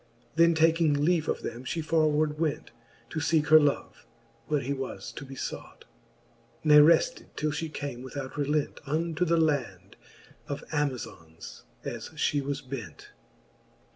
Then taking leave of them, flie forward went. To feeke her love, where he was to be fought ; Ne refled till fhe came without relent Unto the land of Amazons, as fhe was bent.